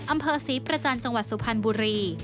อำเภอศรีประจันทร์จังหวัดสุพรรณบุรี